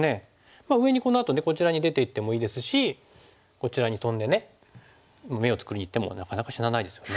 上にこのあとねこちらに出ていってもいいですしこちらにトンで眼を作りにいってもなかなか死なないですよね。